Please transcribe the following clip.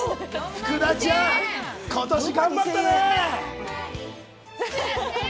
福田ちゃん、今年頑張ったね。